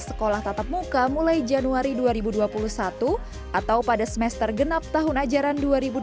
sekolah tatap muka mulai januari dua ribu dua puluh satu atau pada semester genap tahun ajaran dua ribu dua puluh